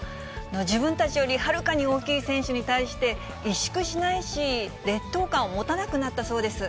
自分たちよりはるかに大きい選手に対して、委縮しないし、劣等感を持たなくなったそうです。